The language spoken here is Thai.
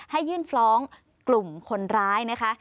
ยื่นฟ้องกลุ่มคนร้ายนะคะ